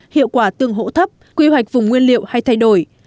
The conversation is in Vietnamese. hiệu quả tương hỗ thấp quy hoạch vùng nguyên liệu hay thay đổi